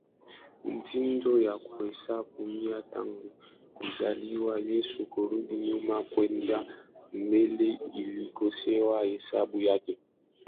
mtindo wa kuhesabu miaka tangu kuzaliwa Yesu kurudi nyuma kwenda mbele alikosea hesabu zake